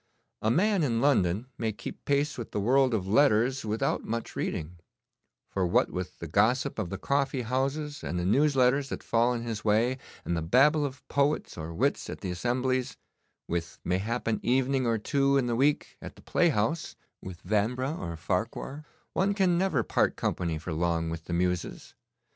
A man in London may keep pace with the world of letters without much reading, for what with the gossip of the coffee houses and the news letters that fall in his way, and the babble of poets or wits at the assemblies, with mayhap an evening or two in the week at the playhouse, with Vanbrugh or Farquhar, one can never part company for long with the muses.